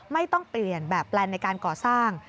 ไม่ต้องเปลี่ยนแบบแปลนในการก่อสร้าง